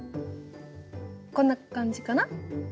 こんな感じかな？